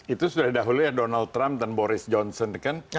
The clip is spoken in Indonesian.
itu sudah didahulu ya donald trump dan boris johnson kan